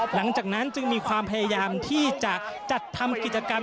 หลังจากนั้นจึงมีความพยายามที่จะจัดทำกิจกรรม